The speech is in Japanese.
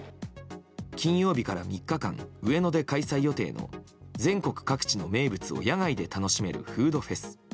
金曜日から３日間上野で開催予定の全国各地の名物を野外で楽しめるフードフェス。